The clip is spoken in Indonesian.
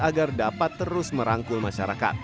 agar dapat terus merangkul masyarakat